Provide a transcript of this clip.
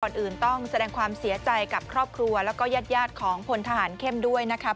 อื่นต้องแสดงความเสียใจกับครอบครัวแล้วก็ญาติของพลทหารเข้มด้วยนะครับ